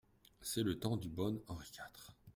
C'est le temps du bon Henri quatre.